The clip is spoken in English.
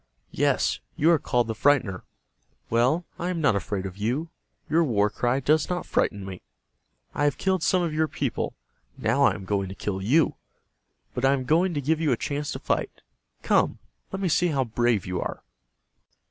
Yes, you are called 'The Frightener.' Well, I am not afraid of you. Your war cry does not frighten me. I have killed some of your people. Now I am going to kill you. But I am going to give you a chance to fight. Come, let me see how brave you are."